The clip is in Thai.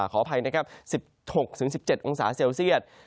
ขออภัยนะครับ๑๖๑๗องศาเซลเซียต